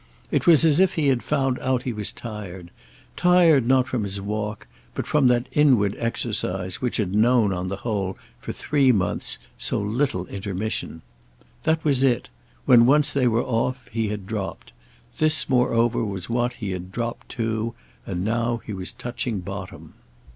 It was as if he had found out he was tired—tired not from his walk, but from that inward exercise which had known, on the whole, for three months, so little intermission. That was it—when once they were off he had dropped; this moreover was what he had dropped to, and now he was touching bottom.